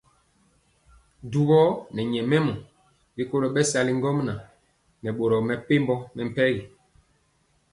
Dubɔ nɛ nyɛmemɔ rikolo bɛsali ŋgomnaŋ nɛ boro mepempɔ mɛmpegi.